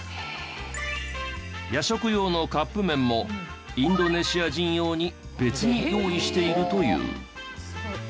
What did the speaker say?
夜食用のカップ麺もインドネシア人用に別に用意しているという。